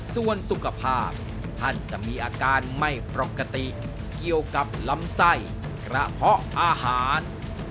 ส่วนสุขภาพท่านจะมีอาการไม่ปกติเกี่ยวกับลำไส้กระเพาะอาหาร